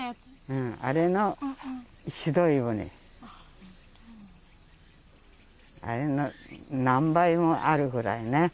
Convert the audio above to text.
うんあれのひどいぶんあれの何倍もあるぐらいね